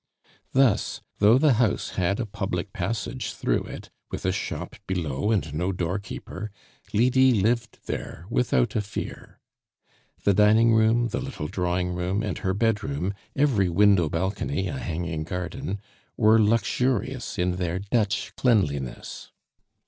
Thus, though the house had a public passage through it, with a shop below and no doorkeeper, Lydie lived there without a fear. The dining room, the little drawing room, and her bedroom every window balcony a hanging garden were luxurious in their Dutch cleanliness.